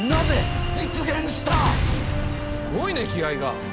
すごいね気合いが。